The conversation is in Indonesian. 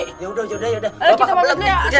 kita panggil ya